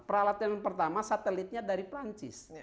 peralatan pertama satelitnya dari perancis